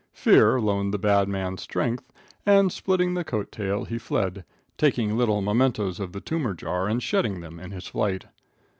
Fear loaned the bad man strength, and, splitting the coat tail, he fled, taking little mementoes of the tumor jar and shedding them in his flight.